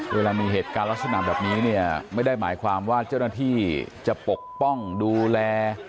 เวลามีเหตุการณ์ลักษณะแบบนี้เนี่ยไม่ได้หมายความว่าเจ้าหน้าที่จะปกป้องดูแล